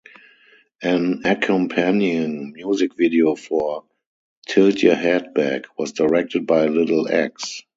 An accompanying music video for "Tilt Ya Head Back" was directed by Little X.